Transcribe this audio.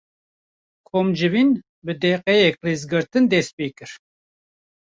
Komcivîn, bi deqeyek rêzgirtin dest pê kir